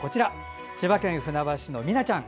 千葉県船橋市の美奈ちゃん。